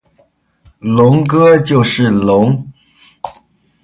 龙哥就是龙！